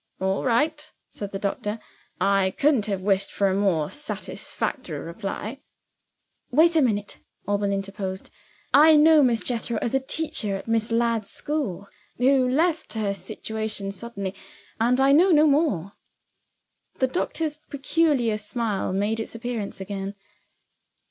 "All right!" said the doctor. "I couldn't have wished for a more satisfactory reply." "Wait a minute," Alban interposed. "I know Miss Jethro as a teacher at Miss Ladd's school, who left her situation suddenly and I know no more." The doctor's peculiar smile made its appearance again.